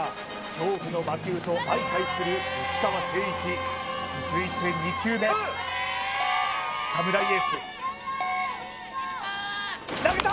恐怖の魔球と相対する内川聖一続いて２球目プレーサムライエース投げた！